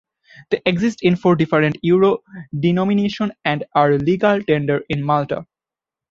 They exist in four different euro denominations and are legal tender in Malta.